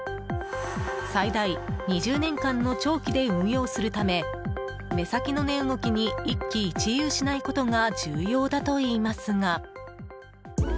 最大２０年間の長期で運用するため目先の値動きに一喜一憂しないことが重要だといいますが。